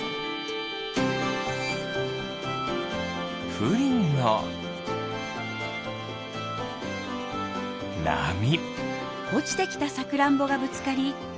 プリンのなみ。